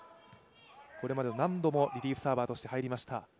これまで何度もリリーフサーバーとして入りました。